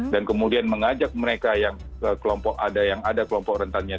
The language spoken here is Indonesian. dan kemudian mengajak mereka yang ada kelompok rentannya